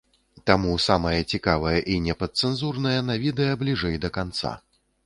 Таму самае цікавае і непадцэнзурнае на відэа бліжэй да канца.